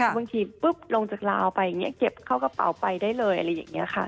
บางทีปุ๊บลงจากลาวไปอย่างนี้เก็บเข้ากระเป๋าไปได้เลยอะไรอย่างนี้ค่ะ